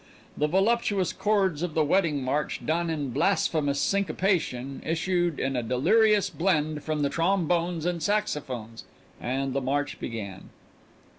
The voluptuous chords of the wedding march done in blasphemous syncopation issued in a delirious blend from the trombones and saxophones and the march began.